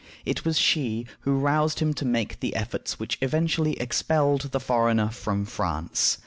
It was she who roused him to make the efforts which eventually expelled the foreigner from France.